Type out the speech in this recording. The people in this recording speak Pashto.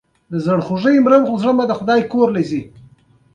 موږ الاقصی جومات ته ننوتلو او شیخ مجید خبرې کولې.